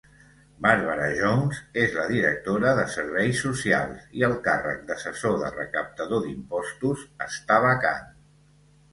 Barbara Jones és la directora de Serveis Socials i el càrrec d'assessor de recaptador d'impostos està vacant.